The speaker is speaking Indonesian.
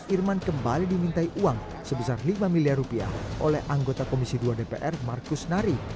irman kembali dimintai uang sebesar lima miliar rupiah oleh anggota komisi dua dpr markus nari